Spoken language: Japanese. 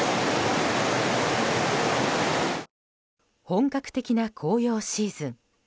本格的な紅葉シーズン。